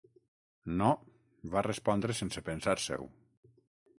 "No", va respondre sense pensar-s'ho.